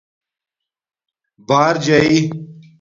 بݳر جݳیئ